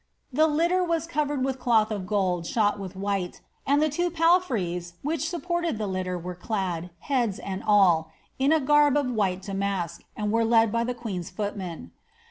^'The litter was covered with cloth of gold shot with white, and the two palfreys which supported the litter were clad, heads and all, in a nrb of white damask, and were led by the queen's footmen.